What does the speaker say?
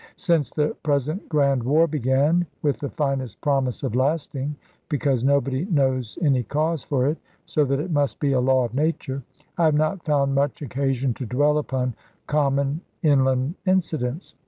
Since the present grand war began (with the finest promise of lasting, because nobody knows any cause for it, so that it must be a law of nature), I have not found much occasion to dwell upon common inland incidents.